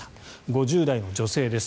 ５０代の女性です。